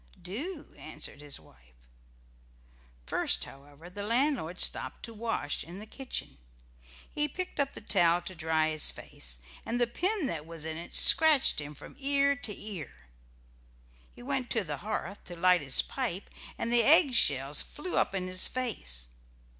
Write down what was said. "Do," answered his wife. First, however, the landlord stopped to wash in the kitchen. He picked up the towel to dry his face, and the pin that was in it scratched him from ear to ear. He went to the hearth to light his pipe and the egg shells flew up in his face.